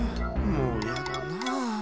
もうやだなあ。